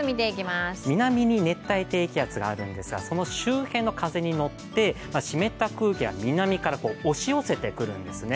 南に熱帯低気圧があるんですがその周辺の風に乗って湿った空気が南から押し寄せてくるんですね。